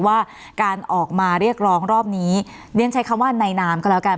ว่าการออกมาเรียกร้องรอบนี้เรียนใช้คำว่าในนามก็แล้วกัน